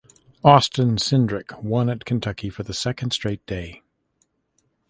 Austin Cindric won at Kentucky for the second straight day.